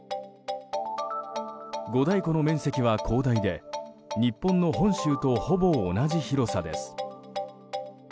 五大湖の面積は広大で日本の本州とほぼ同じ広さです。